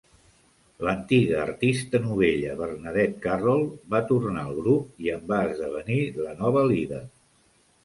L'antiga artista novella Bernadette Carroll va tornar al grup i en va esdevenir la nova líder.